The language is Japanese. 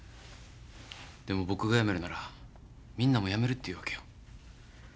でも僕がやめるならみんなもやめるって言うわけよ。